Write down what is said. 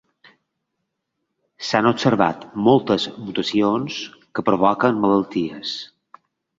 S'han observat moltes mutacions que provoquen malalties.